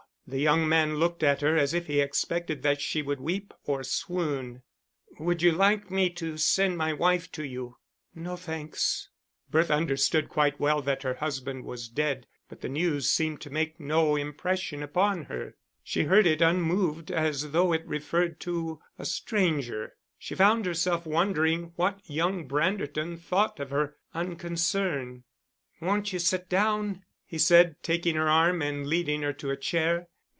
The young man looked at her as if he expected that she would weep or swoon. "Would you like me to send my wife to you?" "No, thanks." Bertha understood quite well that her husband was dead, but the news seemed to make no impression upon her. She heard it unmoved, as though it referred to a stranger. She found herself wondering what young Branderton thought of her unconcern. "Won't you sit down," he said, taking her arm and leading her to a chair.